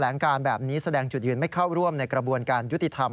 ลงการแบบนี้แสดงจุดยืนไม่เข้าร่วมในกระบวนการยุติธรรม